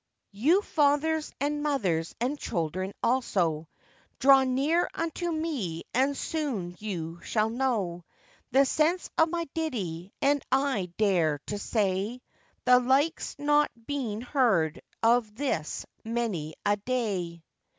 YOU fathers and mothers, and children also, Draw near unto me, and soon you shall know The sense of my ditty, and I dare to say, The like's not been heard of this many a day.